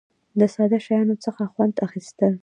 د ساده شیانو څخه خوند اخیستل.